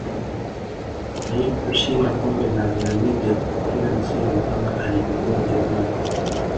haikushinda kombe lalaliga kwa kila msimu kama alivyokuwa ujerumani